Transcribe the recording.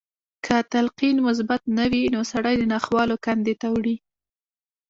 که تلقين مثبت نه وي نو سړی د ناخوالو کندې ته وړي.